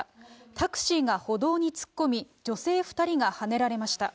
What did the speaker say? タクシーが歩道に突っ込み、女性２人がはねられました。